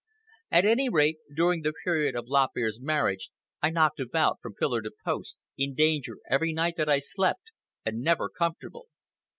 At any rate, during the period of Lop Ear's marriage I knocked about from pillar to post, in danger every night that I slept, and never comfortable.